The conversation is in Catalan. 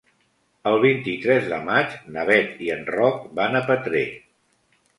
El vint-i-tres de maig na Beth i en Roc van a Petrer.